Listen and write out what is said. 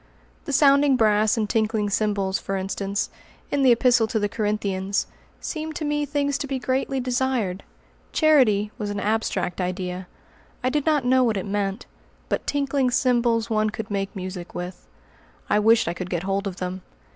The "sounding brass and tinkling cymbals," for instance, in the Epistle to the Corinthians, seemed to me things to be greatly desired. "Charity" was an abstract idea. I did not know what it meant. But "tinkling cymbals" one could make music with. I wished I could get hold of them.